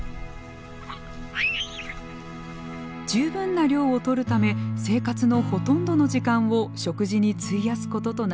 十分な量をとるため生活のほとんどの時間を食事に費やすこととなります。